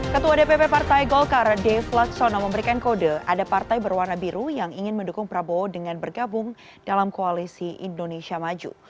ketua dpp partai golkar dev laksono memberikan kode ada partai berwarna biru yang ingin mendukung prabowo dengan bergabung dalam koalisi indonesia maju